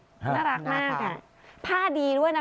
น่ารักมากผ้าดีด้วยนะคะ